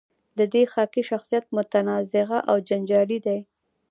د دې خاکې شخصیت متنازعه او جنجالي دی.